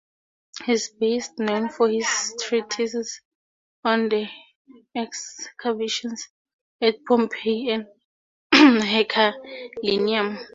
He is best known for his treatises on the excavations at Pompeii and Herculaneum.